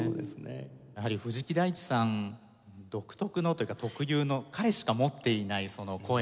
やはり藤木大地さん独特のというか特有の彼しか持っていない声の色。